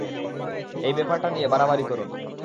এই ব্যাপারটা নিয়ে বাড়াবাড়ি করো না।